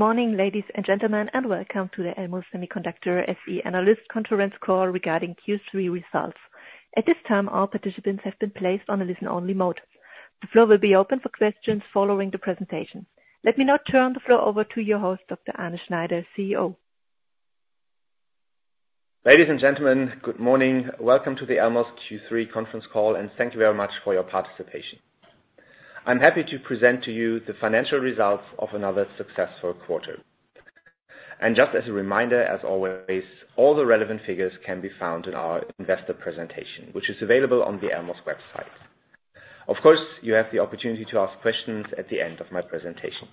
Good morning, ladies and gentlemen, and welcome to the Elmos Semiconductor SE Analyst Conference call regarding Q3 results. At this time, all participants have been placed on a listen-only mode. The floor will be open for questions following the presentation. Let me now turn the floor over to your host, Dr. Arne Schneider, CEO. Ladies and gentlemen, good morning. Welcome to the Elmos Q3 conference call, and thank you very much for your participation. I'm happy to present to you the financial results of another successful quarter, and just as a reminder, as always, all the relevant figures can be found in our investor presentation, which is available on the Elmos website. Of course, you have the opportunity to ask questions at the end of my presentation.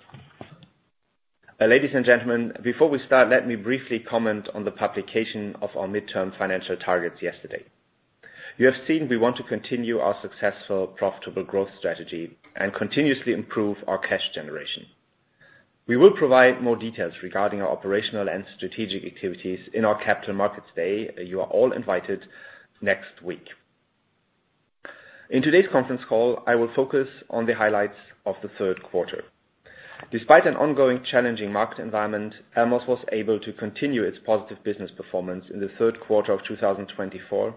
Ladies and gentlemen, before we start, let me briefly comment on the publication of our midterm financial targets yesterday. You have seen we want to continue our successful, profitable growth strategy and continuously improve our cash generation. We will provide more details regarding our operational and strategic activities in our Capital Markets Day. You are all invited next week. In today's conference call, I will focus on the highlights of the third quarter. Despite an ongoing challenging market environment, Elmos was able to continue its positive business performance in the third quarter of 2024,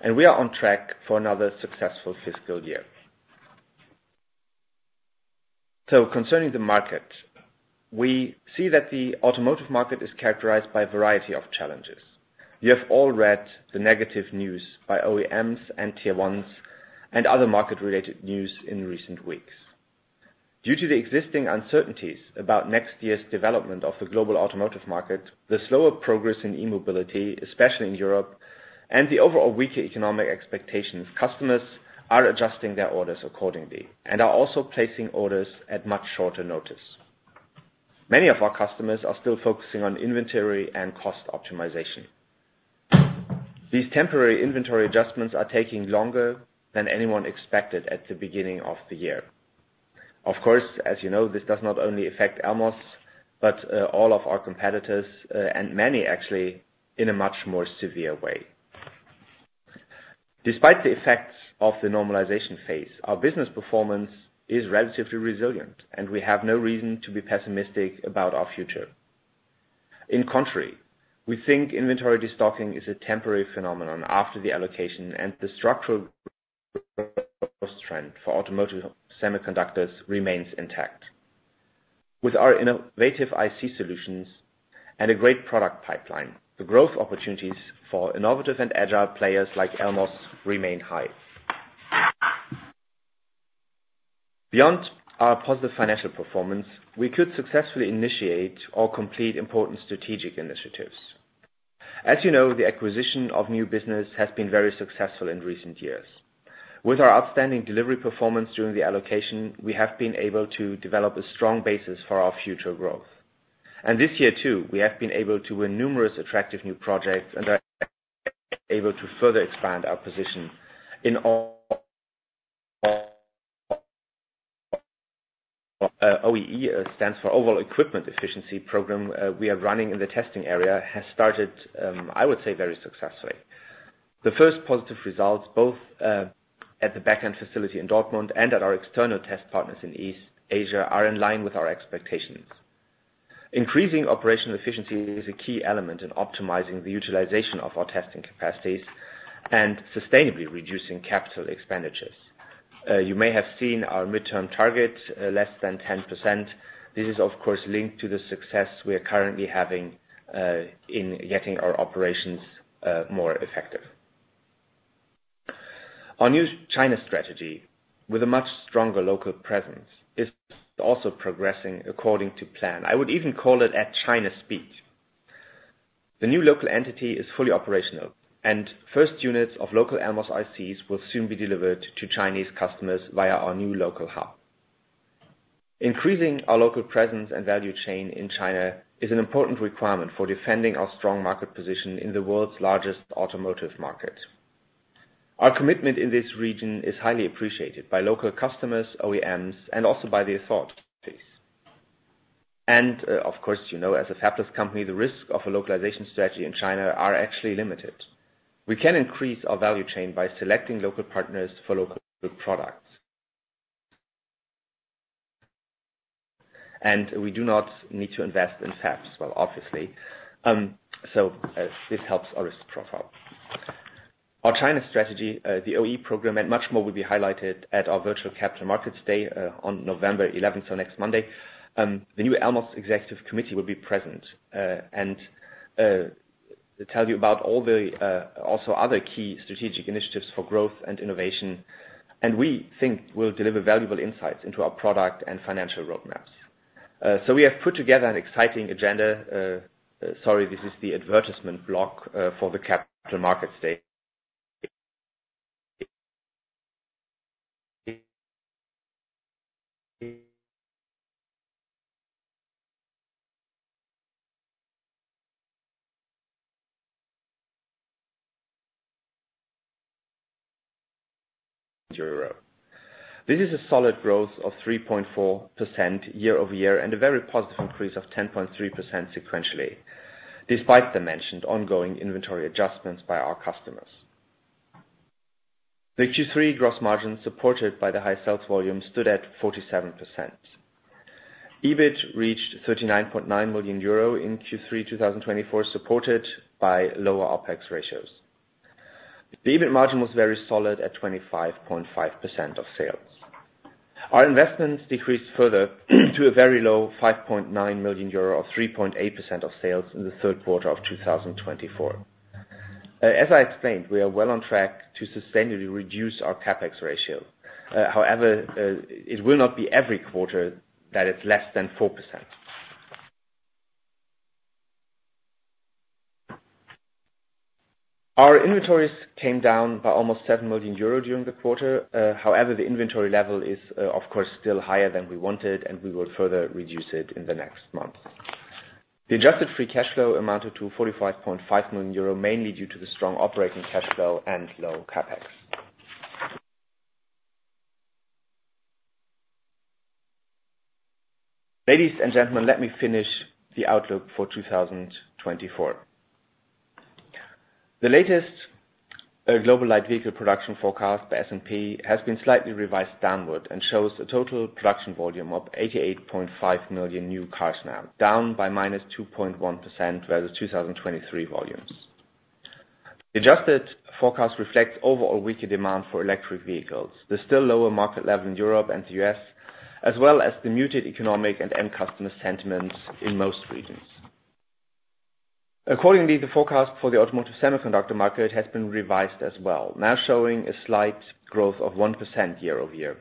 and we are on track for another successful fiscal year. Concerning the market, we see that the automotive market is characterized by a variety of challenges. You have all read the negative news by OEMs and Tier 1s and other market-related news in recent weeks. Due to the existing uncertainties about next year's development of the global automotive market, the slower progress in e-mobility, especially in Europe, and the overall weaker economic expectations, customers are adjusting their orders accordingly and are also placing orders at much shorter notice. Many of our customers are still focusing on inventory and cost optimization. These temporary inventory adjustments are taking longer than anyone expected at the beginning of the year. Of course, as you know, this does not only affect Elmos, but all of our competitors, and many actually in a much more severe way. Despite the effects of the normalization phase, our business performance is relatively resilient, and we have no reason to be pessimistic about our future. On the contrary, we think inventory restocking is a temporary phenomenon after the allocation, and the structural growth trend for automotive semiconductors remains intact. With our innovative IC solutions and a great product pipeline, the growth opportunities for innovative and agile players like Elmos remain high. Beyond our positive financial performance, we could successfully initiate or complete important strategic initiatives. As you know, the acquisition of new business has been very successful in recent years. With our outstanding delivery performance during the allocation, we have been able to develop a strong basis for our future growth. This year too, we have been able to win numerous attractive new projects and are able to further expand our position in OEE, stands for Overall Equipment Efficiency Program we are running in the testing area. Has started, I would say, very successfully. The first positive results, both at the backend facility in Dortmund and at our external test partners in East Asia, are in line with our expectations. Increasing operational efficiency is a key element in optimizing the utilization of our testing capacities and sustainably reducing capital expenditures. You may have seen our midterm target, less than 10%. This is, of course, linked to the success we are currently having in getting our operations more effective. Our new China strategy, with a much stronger local presence, is also progressing according to plan. I would even call it at China speed. The new local entity is fully operational, and first units of local Elmos ICs will soon be delivered to Chinese customers via our new local hub. Increasing our local presence and value chain in China is an important requirement for defending our strong market position in the world's largest automotive market. Our commitment in this region is highly appreciated by local customers, OEMs, and also by the authorities. And, of course, you know, as a fabless company, the risks of a localization strategy in China are actually limited. We can increase our value chain by selecting local partners for local products. And we do not need to invest in fabs, well, obviously. So this helps our risk profile. Our China strategy, the OEE program, and much more will be highlighted at our virtual Capital Markets Day on November 11th, so next Monday. The new Elmos Executive Committee will be present and tell you about all the also other key strategic initiatives for growth and innovation, and we think will deliver valuable insights into our product and financial roadmaps, so we have put together an exciting agenda. Sorry, this is the advertisement block for the Capital Markets Day. This is a solid growth of 3.4% year over year and a very positive increase of 10.3% sequentially, despite the mentioned ongoing inventory adjustments by our customers. The Q3 gross margin supported by the high sales volume stood at 47%. EBIT reached 39.9 million euro in Q3 2024, supported by lower OPEX ratios. The EBIT margin was very solid at 25.5% of sales. Our investments decreased further to a very low 5.9 million euro or 3.8% of sales in the third quarter of 2024. As I explained, we are well on track to sustainably reduce our CAPEX ratio. However, it will not be every quarter that it's less than 4%. Our inventories came down by almost 7 million euro during the quarter. However, the inventory level is, of course, still higher than we wanted, and we will further reduce it in the next month. The adjusted free cash flow amounted to 45.5 million euro, mainly due to the strong operating cash flow and low CAPEX. Ladies and gentlemen, let me finish the outlook for 2024. The latest global light vehicle production forecast by S&P has been slightly revised downward and shows a total production volume of 88.5 million new cars now, down by minus 2.1% versus 2023 volumes. The adjusted forecast reflects overall weaker demand for electric vehicles, the still lower market level in Europe and the U.S., as well as the muted economic and end customer sentiment in most regions. Accordingly, the forecast for the automotive semiconductor market has been revised as well, now showing a slight growth of 1% year over year.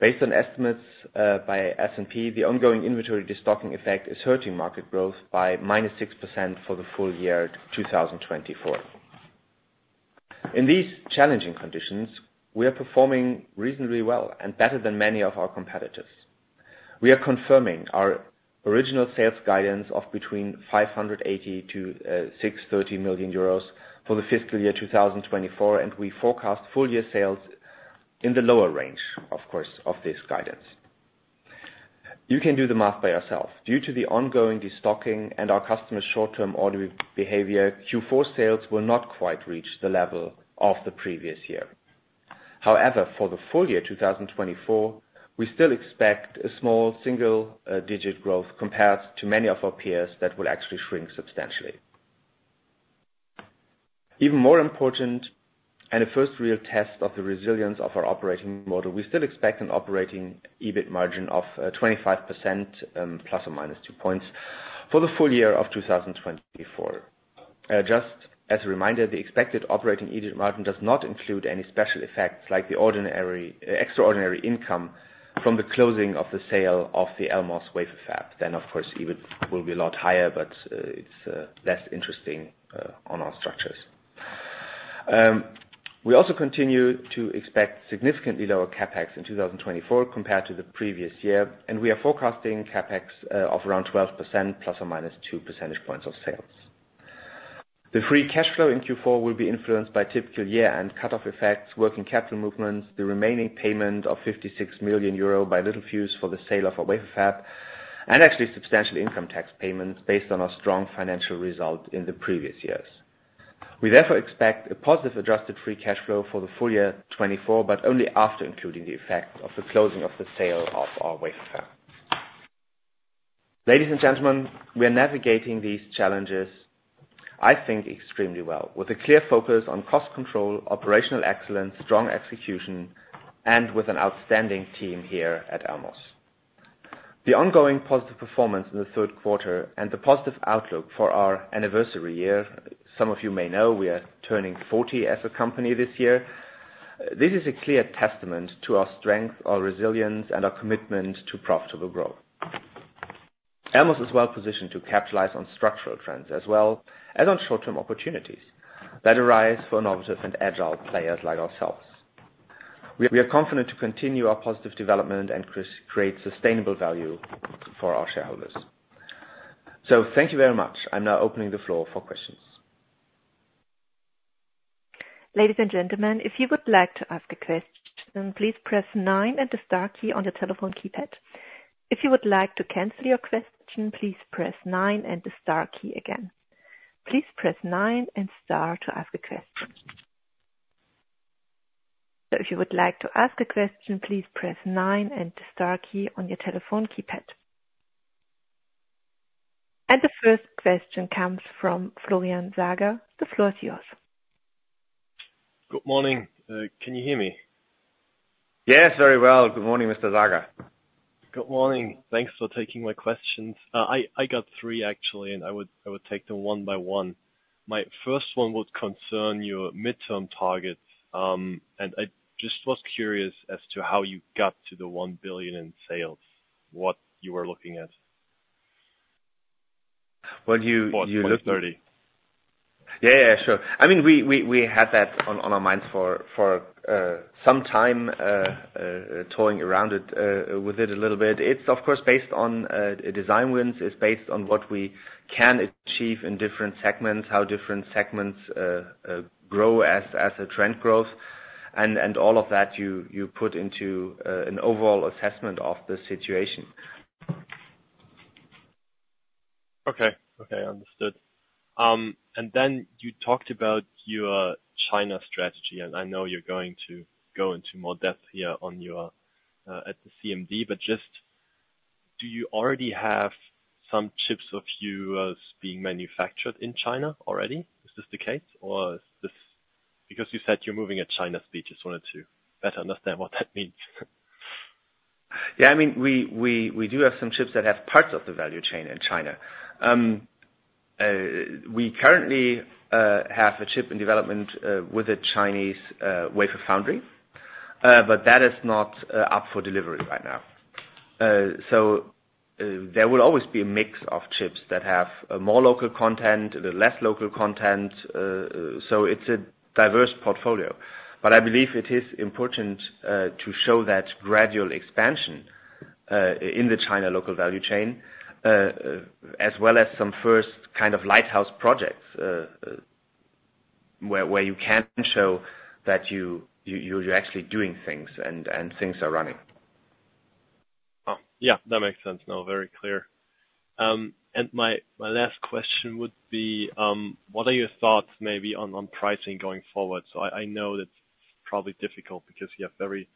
Based on estimates by S&P, the ongoing inventory restocking effect is hurting market growth by minus 6% for the full year 2024. In these challenging conditions, we are performing reasonably well and better than many of our competitors. We are confirming our original sales guidance of between 580 million-630 million euros for the fiscal year 2024, and we forecast full year sales in the lower range, of course, of this guidance. You can do the math by yourself. Due to the ongoing destocking and our customers' short-term ordering behavior, Q4 sales will not quite reach the level of the previous year. However, for the full year 2024, we still expect a small single-digit growth compared to many of our peers that will actually shrink substantially. Even more important, and a first real test of the resilience of our operating model, we still expect an operating EBIT margin of 25%, ±2 points, for the full year of 2024. Just as a reminder, the expected operating EBIT margin does not include any special effects like the extraordinary income from the closing of the sale of the Elmos wafer fab. Then, of course, EBIT will be a lot higher, but it's less interesting on our structures. We also continue to expect significantly lower CapEx in 2024 compared to the previous year, and we are forecasting CapEx of around 12%, ±2 percentage points of sales. The free cash flow in Q4 will be influenced by typical year-end cut-off effects, working capital movements, the remaining payment of 56 million euro by Littelfuse for the sale of our wafer fab, and actually substantial income tax payments based on our strong financial result in the previous years. We therefore expect a positive adjusted free cash flow for the full year 2024, but only after including the effect of the closing of the sale of our wafer fab. Ladies and gentlemen, we are navigating these challenges, I think, extremely well, with a clear focus on cost control, operational excellence, strong execution, and with an outstanding team here at Elmos. The ongoing positive performance in the third quarter and the positive outlook for our anniversary year. Some of you may know we are turning 40 as a company this year. This is a clear testament to our strength, our resilience, and our commitment to profitable growth. Elmos is well positioned to capitalize on structural trends as well as on short-term opportunities that arise for innovative and agile players like ourselves. We are confident to continue our positive development and create sustainable value for our shareholders. So thank you very much. I'm now opening the floor for questions. Ladies and gentlemen, if you would like to ask a question, please press nine and the star key on your telephone keypad. If you would like to cancel your question, please press nine and the star key again. Please press nine and star to ask a question. So if you would like to ask a question, please press nine and the star key on your telephone keypad. And the first question comes from Florian Sager. The floor is yours. Good morning. Can you hear me? Yes, very well. Good morning, Mr. Sager. Good morning. Thanks for taking my questions. I got three, actually, and I would take them one by one. My first one would concern your midterm targets, and I just was curious as to how you got to the one billion in sales, what you were looking at. You looked. What's 30? Yeah, yeah, sure. I mean, we had that on our minds for some time, toying around with it a little bit. It's, of course, based on design wins. It's based on what we can achieve in different segments, how different segments grow as a trend growth, and all of that you put into an overall assessment of the situation. Okay. Okay. Understood, and then you talked about your China strategy, and I know you're going to go into more depth here at the CMD, but just do you already have some chips of yours being manufactured in China already? Is this the case, or is this because you said you're moving at China speed? Just wanted to better understand what that means. Yeah. I mean, we do have some chips that have parts of the value chain in China. We currently have a chip in development with a Chinese wafer foundry, but that is not up for delivery right now. So there will always be a mix of chips that have more local content, a little less local content. So it's a diverse portfolio. But I believe it is important to show that gradual expansion in the China local value chain, as well as some first kind of lighthouse projects where you can show that you're actually doing things and things are running. Yeah. That makes sense now. Very clear, and my last question would be, what are your thoughts maybe on pricing going forward? So I know that it's probably difficult because you have very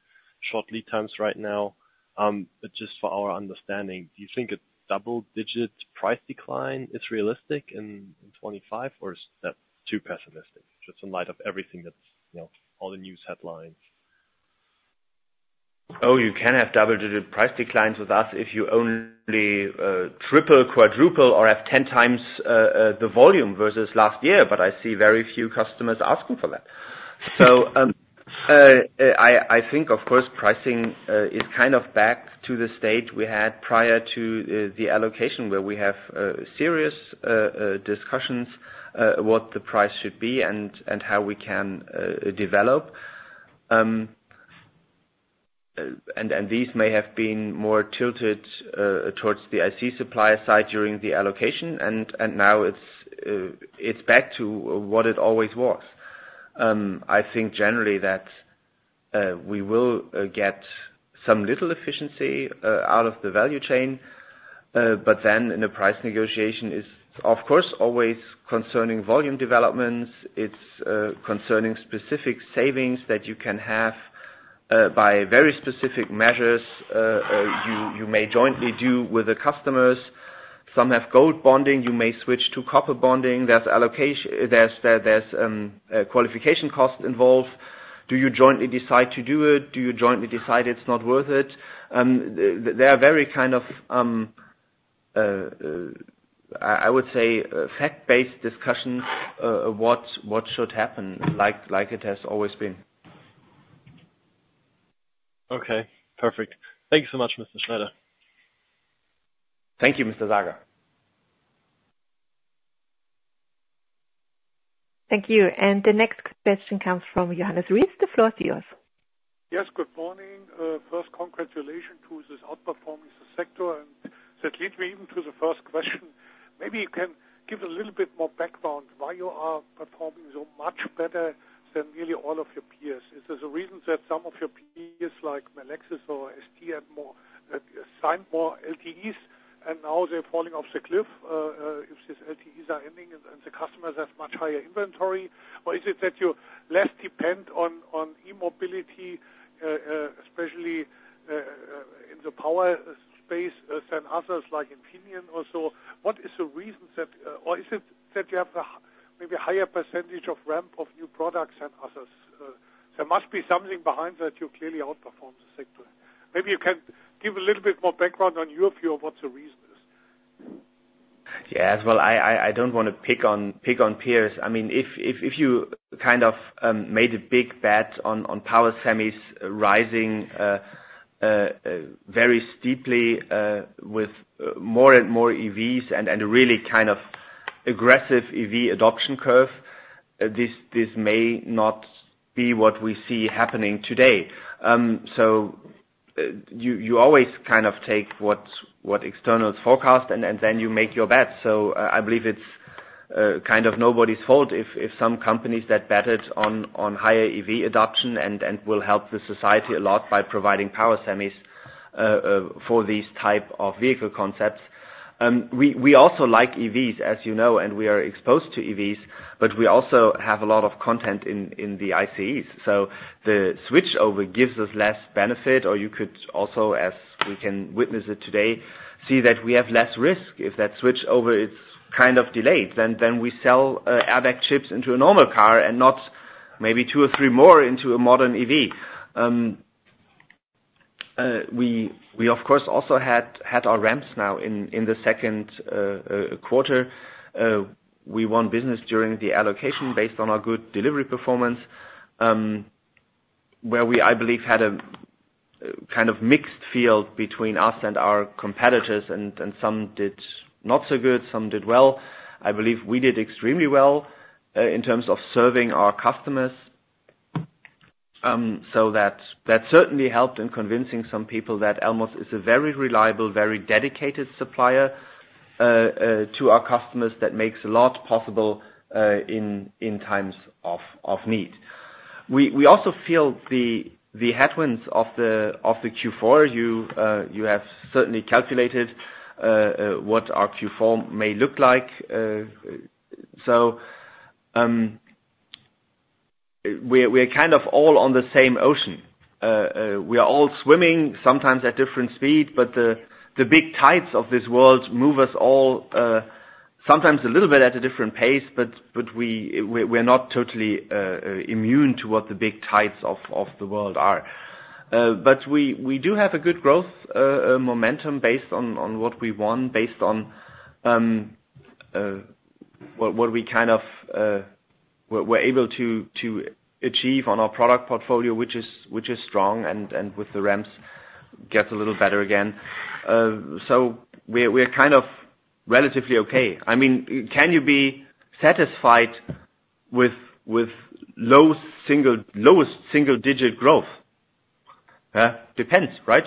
short lead times right now. But just for our understanding, do you think a double-digit price decline is realistic in 2025, or is that too pessimistic, just in light of everything that's all the news headlines? Oh, you can have double-digit price declines with us if you only triple, quadruple, or have 10 times the volume versus last year, but I see very few customers asking for that, so I think, of course, pricing is kind of back to the state we had prior to the allocation, where we have serious discussions about what the price should be and how we can develop, and these may have been more tilted towards the IC supplier side during the allocation, and now it's back to what it always was. I think, generally, that we will get some little efficiency out of the value chain, but then in the price negotiation, it's, of course, always concerning volume developments. It's concerning specific savings that you can have by very specific measures you may jointly do with the customers. Some have gold bonding. You may switch to copper bonding. There's qualification costs involved. Do you jointly decide to do it? Do you jointly decide it's not worth it? They are very kind of, I would say, fact-based discussions of what should happen, like it has always been. Okay. Perfect. Thank you so much, Mr. Schneider. Thank you, Mr. Sager. Thank you. The next question comes from Johannes Ries. The floor is yours. Yes. Good morning. First, congratulations to this outperforming sector. And that leads me even to the first question. Maybe you can give a little bit more background why you are performing so much better than nearly all of your peers. Is there a reason that some of your peers like Melexis or ST signed more LTAs, and now they're falling off the cliff if these LTAs are ending, and the customers have much higher inventory? Or is it that you less depend on e-mobility, especially in the power space, than others like Infineon or so? What is the reason that, or is it that you have maybe a higher percentage of ramp of new products than others? There must be something behind that you clearly outperform the sector. Maybe you can give a little bit more background on your view of what the reason is. Yeah, well, I don't want to pick on peers. I mean, if you kind of made a big bet on power semis rising very steeply with more and more EVs and a really kind of aggressive EV adoption curve, this may not be what we see happening today, so you always kind of take what externals forecast, and then you make your bet, so I believe it's kind of nobody's fault if some companies that betted on higher EV adoption and will help the society a lot by providing power semis for these types of vehicle concepts. We also like EVs, as you know, and we are exposed to EVs, but we also have a lot of content in the ICEs. So the switchover gives us less benefit, or you could also, as we can witness it today, see that we have less risk if that switchover is kind of delayed, then we sell airbag chips into a normal car and not maybe two or three more into a modern EV. We, of course, also had our ramps now in the second quarter. We won business during the allocation based on our good delivery performance, where we, I believe, had a kind of mixed field between us and our competitors, and some did not so good, some did well. I believe we did extremely well in terms of serving our customers. So that certainly helped in convincing some people that Elmos is a very reliable, very dedicated supplier to our customers that makes a lot possible in times of need. We also feel the headwinds of the Q4. You have certainly calculated what our Q4 may look like. So we're kind of all on the same ocean. We are all swimming sometimes at different speeds, but the big tides of this world move us all sometimes a little bit at a different pace, but we're not totally immune to what the big tides of the world are. But we do have a good growth momentum based on what we won, based on what we kind of were able to achieve on our product portfolio, which is strong, and with the ramps, get a little better again. So we're kind of relatively okay. I mean, can you be satisfied with lowest single-digit growth? Depends, right?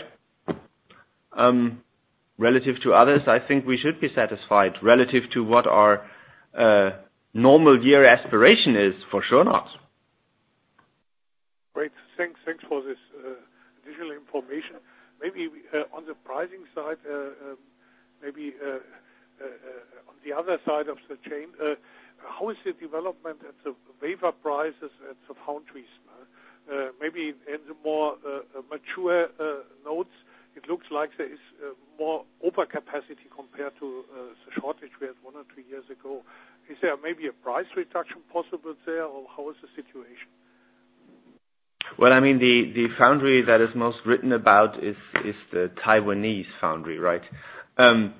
Relative to others, I think we should be satisfied relative to what our normal year aspiration is, for sure, not. Great. Thanks for this additional information. Maybe on the pricing side, maybe on the other side of the chain, how is the development at the wafer prices at the foundries? Maybe in the more mature nodes, it looks like there is more overcapacity compared to the shortage we had one or two years ago. Is there maybe a price reduction possible there, or how is the situation? I mean, the foundry that is most written about is the Taiwanese foundry, right? And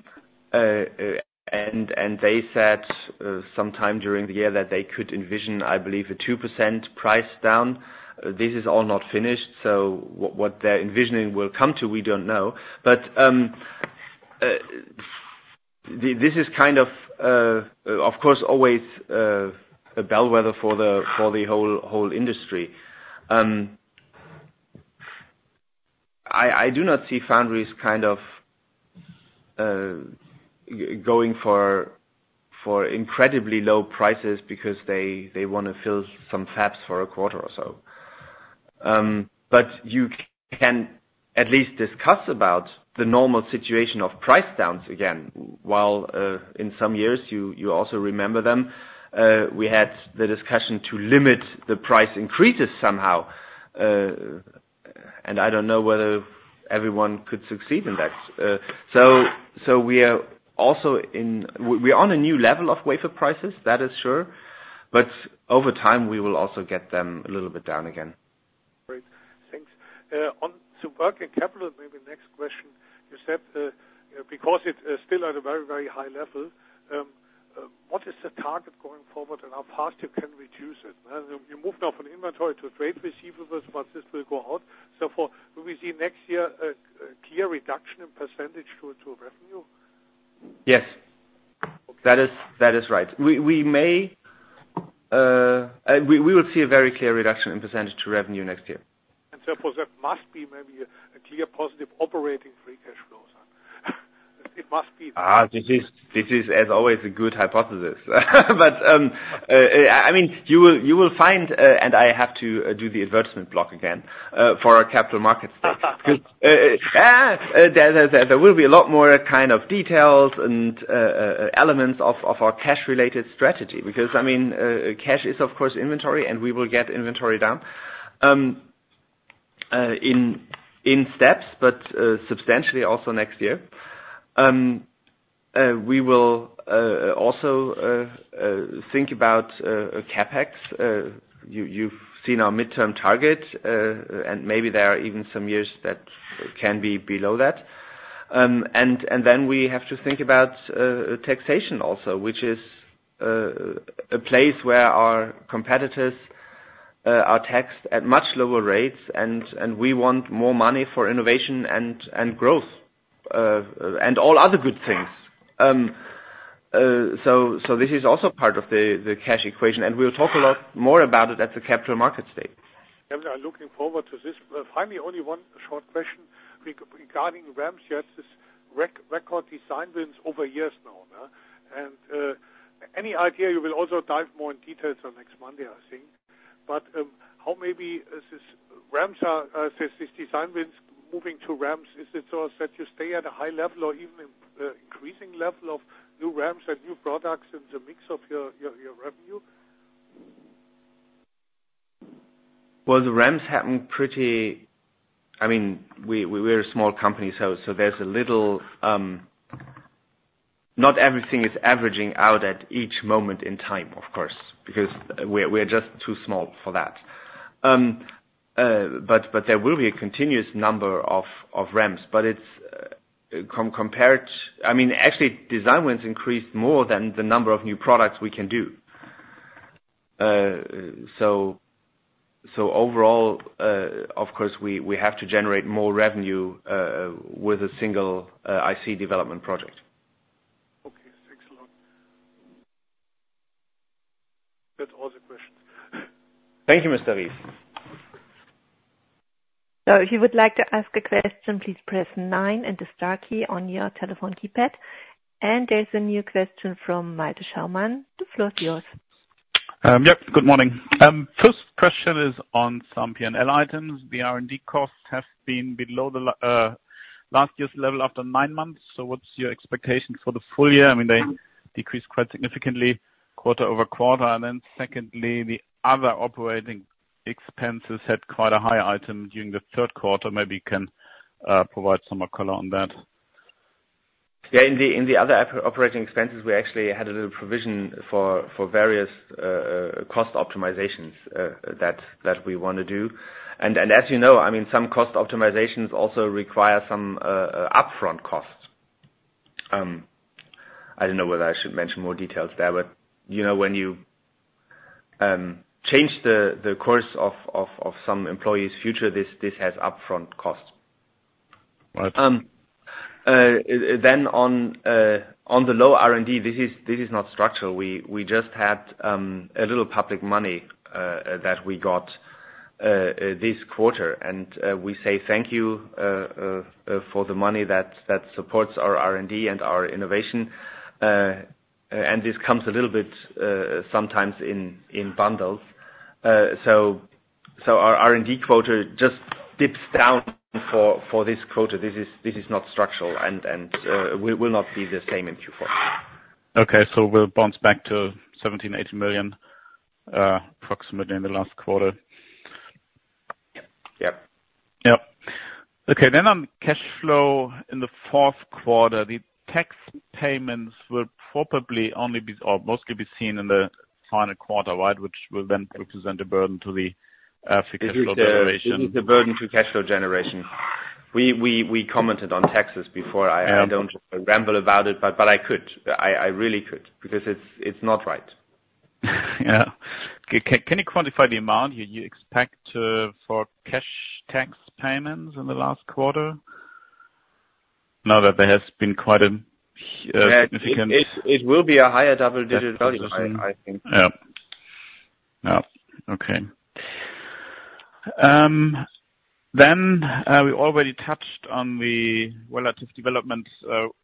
they said sometime during the year that they could envision, I believe, a 2% price down. This is all not finished, so what they're envisioning will come to, we don't know. But this is kind of, of course, always a bellwether for the whole industry. I do not see foundries kind of going for incredibly low prices because they want to fill some fabs for a quarter or so. But you can at least discuss about the normal situation of price downs again, while in some years you also remember them. We had the discussion to limit the price increases somehow, and I don't know whether everyone could succeed in that. We are also on a new level of wafer prices, that is sure, but over time, we will also get them a little bit down again. Great. Thanks. On the working capital, maybe next question. You said because it's still at a very, very high level, what is the target going forward and how fast you can reduce it? You moved off an inventory to trade receivables, but this will go out. So for when we see next year a clear reduction in percentage to revenue? Yes. That is right. We will see a very clear reduction in percentage to revenue next year. And so for that, must be maybe a clear positive operating free cash flows. It must be. This is, as always, a good hypothesis. But I mean, you will find, and I have to do the advertisement block again for our capital markets because there will be a lot more kind of details and elements of our cash-related strategy because, I mean, cash is, of course, inventory, and we will get inventory down in steps, but substantially also next year. We will also think about CapEx. You've seen our midterm target, and maybe there are even some years that can be below that. And then we have to think about taxation also, which is a place where our competitors are taxed at much lower rates, and we want more money for innovation and growth and all other good things. So this is also part of the cash equation, and we'll talk a lot more about it at the capital markets stage. I'm looking forward to this. Finally, only one short question. Regarding ramps, you had this record design wins over years now. And any idea you will also dive more in detail next Monday, I think. But how maybe these design wins moving to ramps, is it so that you stay at a high level or even increasing level of new ramps and new products in the mix of your revenue? The ramps happen pretty, I mean, we're a small company, so there's a little, not everything is averaging out at each moment in time, of course, because we're just too small for that. But there will be a continuous number of ramps, but it's compared, I mean, actually, design wins increase more than the number of new products we can do. Overall, of course, we have to generate more revenue with a single IC development project. Okay. Thanks a lot. That's all the questions. Thank you, Mr. Ries. If you would like to ask a question, please press nine and the star key on your telephone keypad. There's a new question from Malte Schaumann. The floor is yours. Yep. Good morning. First question is on some P&L items. The R&D costs have been below last year's level after nine months. So what's your expectation for the full year? I mean, they decreased quite significantly quarter over quarter. And then secondly, the other operating expenses had quite a high item during the third quarter. Maybe you can provide some more color on that. Yeah. In the other operating expenses, we actually had a little provision for various cost optimizations that we want to do. And as you know, I mean, some cost optimizations also require some upfront costs. I don't know whether I should mention more details there, but when you change the course of some employees' future, this has upfront costs. Then on the low R&D, this is not structural. We just had a little public money that we got this quarter, and we say thank you for the money that supports our R&D and our innovation. And this comes a little bit sometimes in bundles. So our R&D quarter just dips down for this quarter. This is not structural and will not be the same in Q4. Okay. So we'll bounce back to 17.8 million approximately in the last quarter. Yep. Yep. Okay. Then on cash flow in the fourth quarter, the tax payments will probably only be or mostly be seen in the final quarter, right, which will then represent a burden to the cash flow generation. Yes. The burden to cash flow generation. We commented on taxes before. I don't ramble about it, but I could. I really could because it's not right. Yeah. Can you quantify the amount you expect for cash tax payments in the last quarter? I know that there has been quite a significant. It will be a higher double-digit value, I think. Okay, then we already touched on the relative development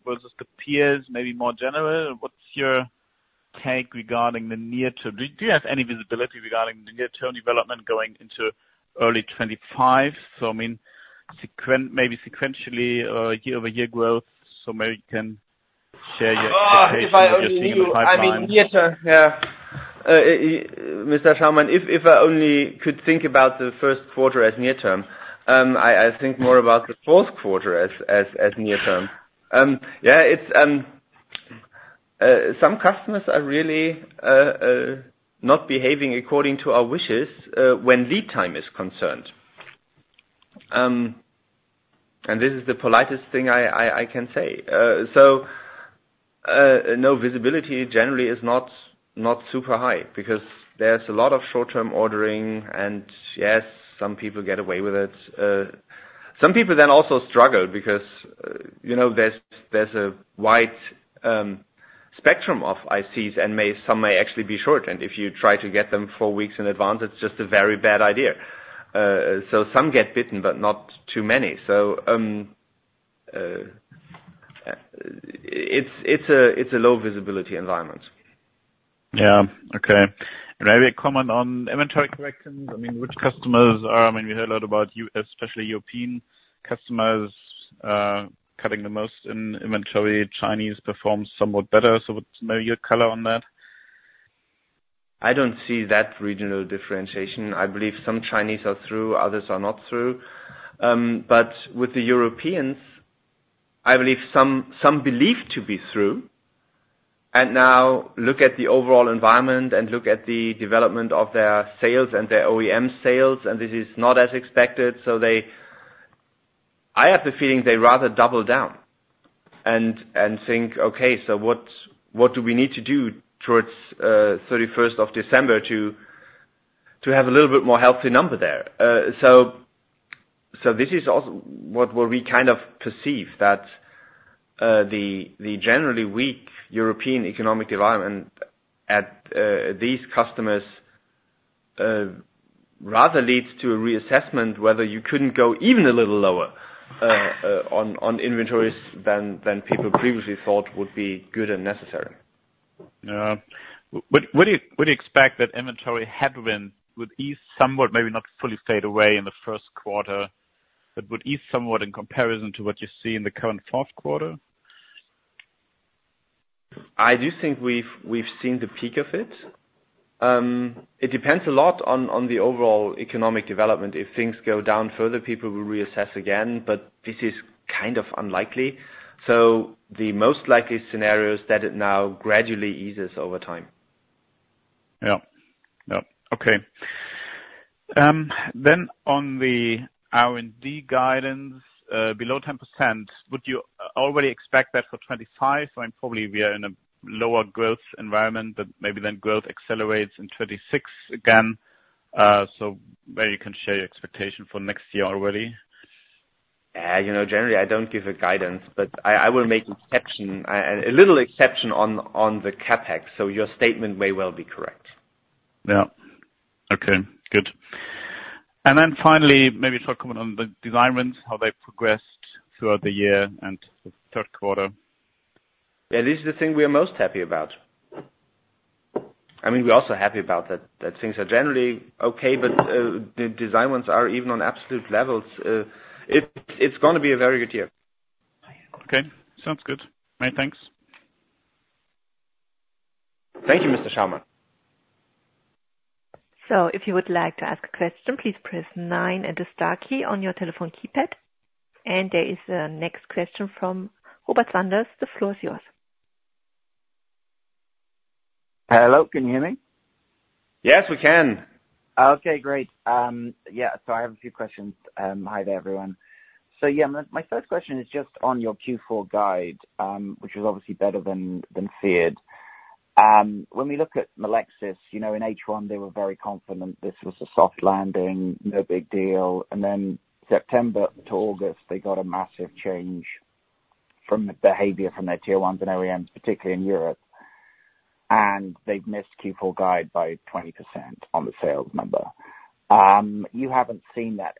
versus the peers, maybe more general. What's your take regarding the near-term? Do you have any visibility regarding the near-term development going into early 2025, so I mean, maybe sequentially year-over-year growth, so maybe you can share your thoughts on this in your five points. I mean, near-term, yeah. Mr. Schaumann, if I only could think about the first quarter as near-term, I think more about the fourth quarter as near-term. Yeah, some customers are really not behaving according to our wishes when lead time is concerned, and this is the politest thing I can say, so no visibility generally is not super high because there's a lot of short-term ordering, and yes, some people get away with it. Some people then also struggle because there's a wide spectrum of ICs, and some may actually be short, and if you try to get them four weeks in advance, it's just a very bad idea, so some get bitten, but not too many, so it's a low-visibility environment. Yeah. Okay. Maybe a comment on inventory corrections. I mean, which customers are? I mean, we heard a lot about especially European customers cutting the most in inventory. Chinese performs somewhat better. So maybe your color on that? I don't see that regional differentiation. I believe some Chinese are through, others are not through. But with the Europeans, I believe some believe to be through. And now look at the overall environment and look at the development of their sales and their OEM sales, and this is not as expected. So I have the feeling they rather double down and think, "Okay. So what do we need to do towards 31st of December to have a little bit more healthy number there?" So this is also what we kind of perceive that the generally weak European economic environment at these customers rather leads to a reassessment whether you couldn't go even a little lower on inventories than people previously thought would be good and necessary. Yeah. Would you expect that inventory headwind would ease somewhat, maybe not fully fade away in the first quarter, but would ease somewhat in comparison to what you see in the current fourth quarter? I do think we've seen the peak of it. It depends a lot on the overall economic development. If things go down further, people will reassess again, but this is kind of unlikely. So the most likely scenario is that it now gradually eases over time. Then on the R&D guidance, below 10%, would you already expect that for 2025? I mean, probably we are in a lower growth environment, but maybe then growth accelerates in 2026 again. So maybe you can share your expectation for next year already. Yeah. Generally, I don't give a guidance, but I will make a little exception on the CapEx, so your statement may well be correct. Yeah. Okay. Good. And then finally, maybe a short comment on the design wins, how they progressed throughout the year and the third quarter. Yeah. This is the thing we are most happy about. I mean, we're also happy about that things are generally okay, but the design wins are even on absolute levels. It's going to be a very good year. Okay. Sounds good. Many thanks. Thank you, Mr. Schaumann. So if you would like to ask a question, please press nine and the star key on your telephone keypad. And there is a next question from Robert Sanders. The floor is yours. Hello. Can you hear me? Yes, we can. Okay. Great. Yeah. So I have a few questions. Hi there, everyone. So yeah, my first question is just on your Q4 guide, which was obviously better than feared. When we look at Melexis, in H1, they were very confident this was a soft landing, no big deal. And then September to August, they got a massive change from the behavior from their Tier 1s and OEMs, particularly in Europe. And they've missed Q4 guide by 20% on the sales number. You haven't seen that.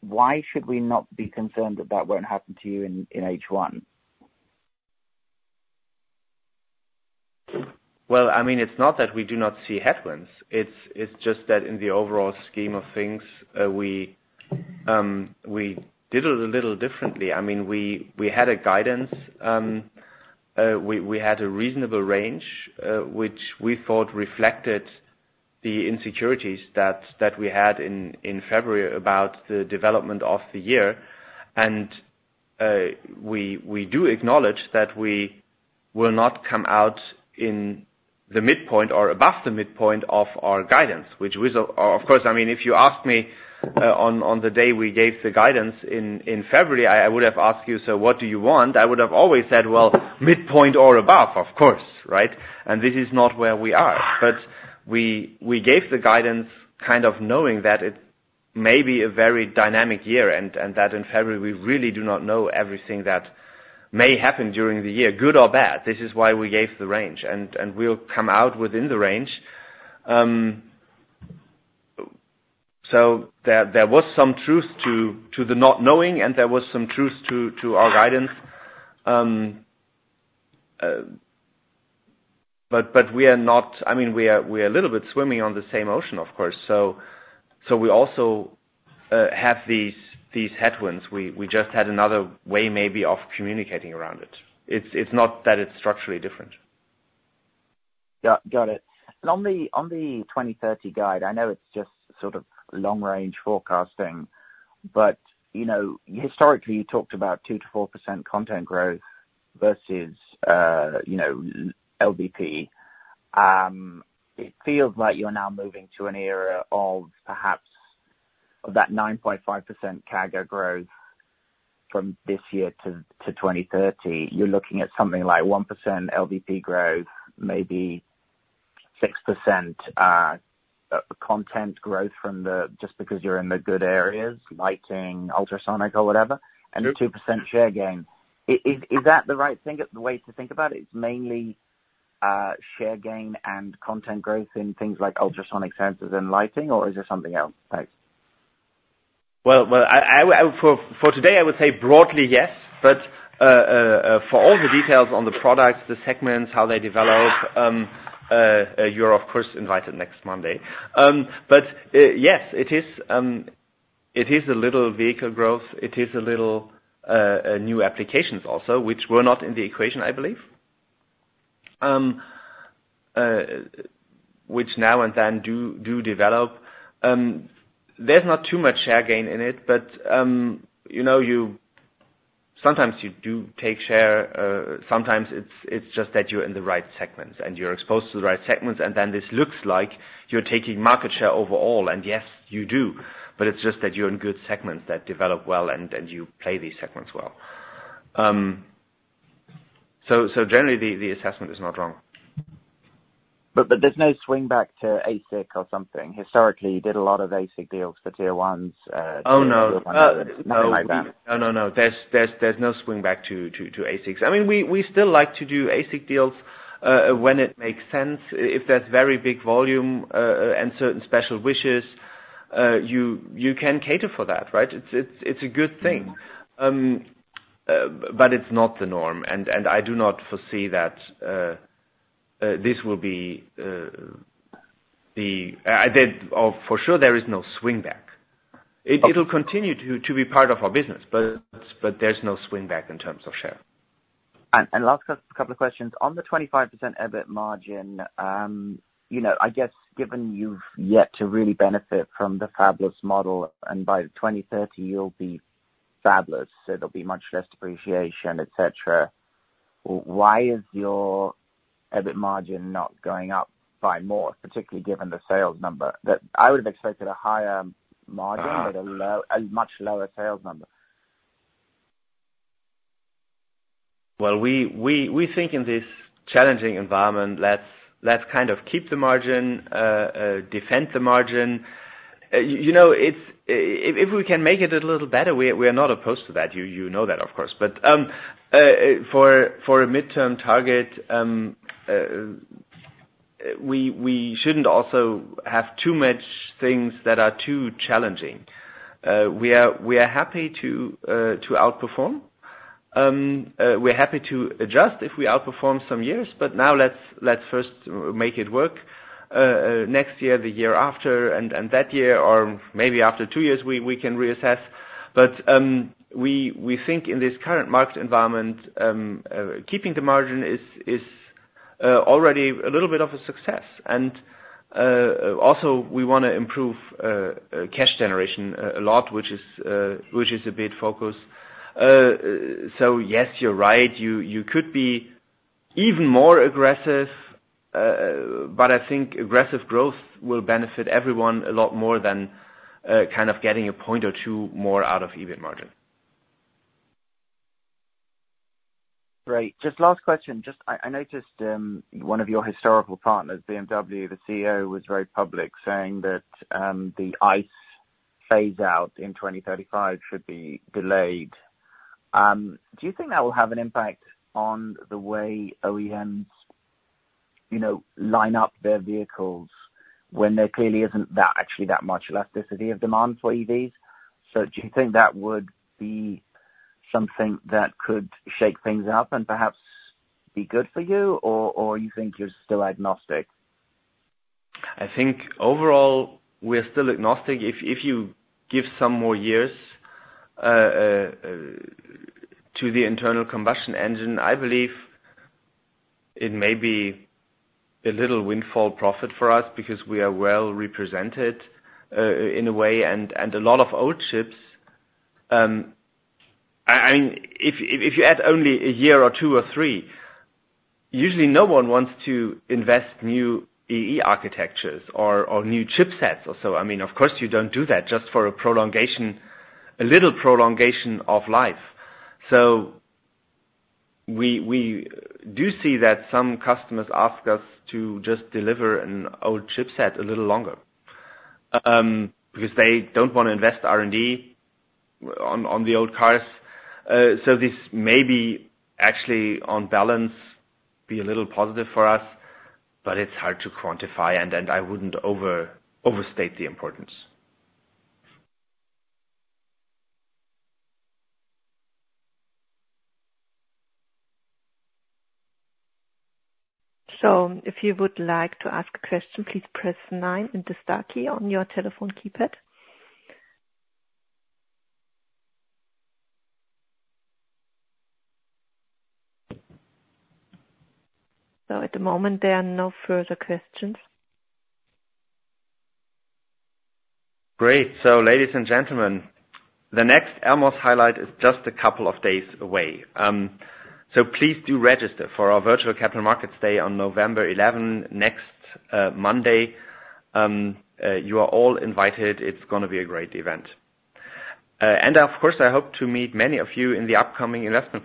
Why should we not be concerned that that won't happen to you in H1? I mean, it's not that we do not see headwinds. It's just that in the overall scheme of things, we did it a little differently. I mean, we had a guidance. We had a reasonable range, which we thought reflected the insecurities that we had in February about the development of the year. We do acknowledge that we will not come out in the midpoint or above the midpoint of our guidance, which was, of course, I mean, if you ask me on the day we gave the guidance in February, I would have asked you, "So what do you want?" I would have always said, "Well, midpoint or above, of course," right? This is not where we are. But we gave the guidance kind of knowing that it may be a very dynamic year and that in February, we really do not know everything that may happen during the year, good or bad. This is why we gave the range, and we'll come out within the range. So there was some truth to the not knowing, and there was some truth to our guidance. But we are not. I mean, we are a little bit swimming on the same ocean, of course. So we also have these headwinds. We just had another way maybe of communicating around it. It's not that it's structurally different. Yeah. Got it. And on the 2030 guide, I know it's just sort of long-range forecasting, but historically, you talked about 2%-4% content growth versus LVP. It feels like you're now moving to an era of perhaps that 9.5% CAGR growth from this year to 2030. You're looking at something like 1% LVP growth, maybe 6% content growth from just because you're in the good areas, lighting, ultrasonic, or whatever, and 2% share gain. Is that the right way to think about it? It's mainly share gain and content growth in things like ultrasonic sensors and lighting, or is there something else? Thanks. For today, I would say broadly, yes. For all the details on the products, the segments, how they develop, you're, of course, invited next Monday. Yes, it is a light vehicle growth. It is a little new applications also, which were not in the equation, I believe, which now and then do develop. There's not too much share gain in it, but sometimes you do take share. Sometimes it's just that you're in the right segments and you're exposed to the right segments, and then this looks like you're taking market share overall. Yes, you do, but it's just that you're in good segments that develop well and you play these segments well. Generally, the assessment is not wrong. But there's no swing back to ASIC or something. Historically, you did a lot of ASIC deals for Tier 1s, Tier 2s, Tier 3s, nothing like that. No, no, no. There's no swing back to ASIC. I mean, we still like to do ASIC deals when it makes sense. If there's very big volume and certain special wishes, you can cater for that, right? It's a good thing, but it's not the norm, and I do not foresee that this will be the norm for sure. There is no swing back. It'll continue to be part of our business, but there's no swing back in terms of share. Last couple of questions. On the 25% EBIT margin, I guess given you've yet to really benefit from the fabless model, and by 2030, you'll be fabless, so there'll be much less depreciation, etc., why is your EBIT margin not going up by more, particularly given the sales number? I would have expected a higher margin but a much lower sales number. We think in this challenging environment, let's kind of keep the margin, defend the margin. If we can make it a little better, we are not opposed to that. You know that, of course. But for a midterm target, we shouldn't also have too much things that are too challenging. We are happy to outperform. We're happy to adjust if we outperform some years, but now let's first make it work next year, the year after, and that year, or maybe after two years, we can reassess. But we think in this current market environment, keeping the margin is already a little bit of a success. And also, we want to improve cash generation a lot, which is a big focus. So yes, you're right. You could be even more aggressive, but I think aggressive growth will benefit everyone a lot more than kind of getting a point or two more out of EBIT margin. Great. Just last question. I noticed one of your historical partners, BMW, the CEO, was very public saying that the ICE phase-out in 2035 should be delayed. Do you think that will have an impact on the way OEMs line up their vehicles when there clearly isn't actually that much elasticity of demand for EVs? So do you think that would be something that could shake things up and perhaps be good for you, or you think you're still agnostic? I think overall, we are still agnostic. If you give some more years to the internal combustion engine, I believe it may be a little windfall profit for us because we are well represented in a way. And a lot of old chips, I mean, if you add only a year or two or three, usually no one wants to invest in new EE architectures or new chipsets or so. I mean, of course, you don't do that just for a little prolongation of life. So we do see that some customers ask us to just deliver an old chipset a little longer because they don't want to invest R&D on the old cars. So this may be actually, on balance, be a little positive for us, but it's hard to quantify, and I wouldn't overstate the importance. So if you would like to ask a question, please press nineand the star key on your telephone keypad. So at the moment, there are no further questions. Great. So ladies and gentlemen, the next Elmos Highlight is just a couple of days away. So please do register for our virtual capital markets day on November 11, next Monday. You are all invited. It's going to be a great event. And of course, I hope to meet many of you in the upcoming investment.